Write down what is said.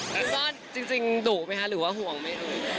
พี่พ่อจริงดุไหมหรือห่วงไม่ดุ